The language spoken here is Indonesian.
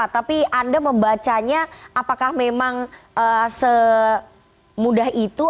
tapi anda membacanya apakah memang semudah itu